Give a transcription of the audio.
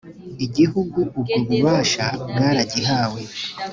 igihugu ubwo bubasha bwaragihawe